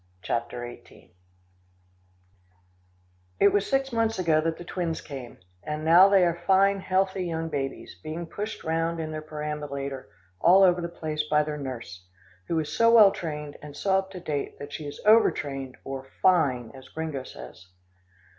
CHAPTER XVIII THE SHOWMAN'S DOGS It was six months ago that the twins came, and now they are fine healthy young babies, being pushed round in their perambulator all over the place by their nurse, who is so well trained and so up to date that she is over trained or "fine" as Gringo says.